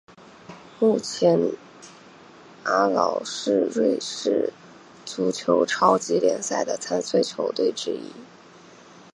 目前阿劳是瑞士足球超级联赛的参赛球队之一。